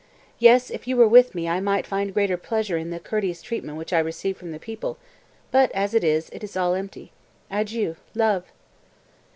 Yes, if you were with me I might find greater pleasure in the courteous treatment which I receive from the people; but as it is, it is all empty. Adieu! Love!"